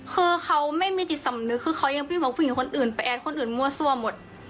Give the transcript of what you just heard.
คือเขาไม่มีจิตสำนึกคือเขายังไปบอกผู้หญิงคนอื่นไปแอดคนอื่นมั่วซั่วหมด